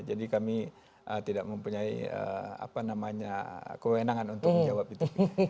jadi kami tidak mempunyai apa namanya kewenangan untuk menjawab itu